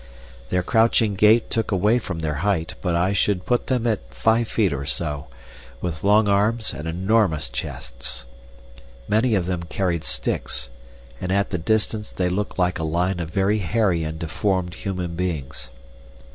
Their crouching gait took away from their height, but I should put them at five feet or so, with long arms and enormous chests. Many of them carried sticks, and at the distance they looked like a line of very hairy and deformed human beings.